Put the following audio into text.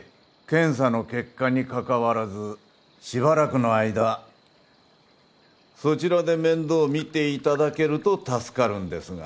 検査の結果にかかわらずしばらくの間そちらで面倒見て頂けると助かるんですが。